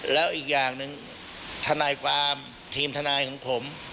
แล้วอีกอย่างหนึ่งทนายความทีมทนายของผม